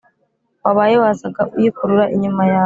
wabaye wazaga uyikurura inyuma yawe?